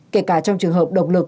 kể cả trong trường hợp độc lực